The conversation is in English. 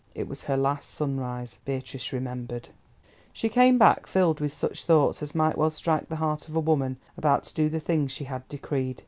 It was her last sunrise, Beatrice remembered. She came back filled with such thoughts as might well strike the heart of a woman about to do the thing she had decreed.